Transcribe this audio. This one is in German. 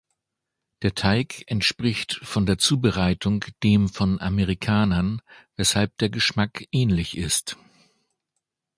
Der Teig entspricht von der Zubereitung dem von Amerikanern, weshalb der Geschmack ähnlich ist.